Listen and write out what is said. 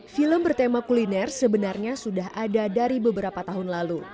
film bertema kuliner sebenarnya sudah ada dari beberapa tahun lalu